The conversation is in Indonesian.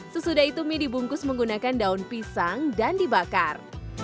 sesudah itu mie dibungkus menggunakan daun pisang dan dibakar